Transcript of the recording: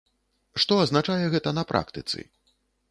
Што азначае гэта на практыцы?